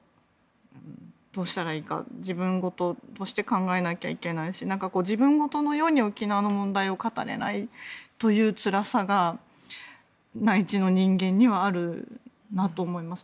どうしたらいいか自分ごととして考えなきゃいけないし自分ごとのように沖縄の問題を語れないというつらさが内地の人間にはあるなと思います。